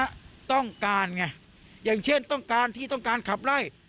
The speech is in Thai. ต้องการไงอย่างเช่นต้องการที่ต้องการขับไล่